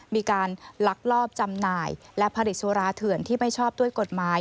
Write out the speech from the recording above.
มีการลักลอบจำหน่ายและผลิตสุราเถื่อนที่ไม่ชอบด้วยกฎหมาย